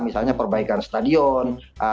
misalnya perbaikan stadion